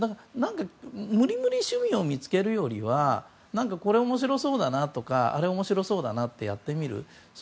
無理無理趣味を見つけるよりはこれ面白そうだなとかあれ面白そうだなってやってみる。